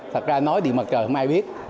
thật ra nói điện mặt trời không ai biết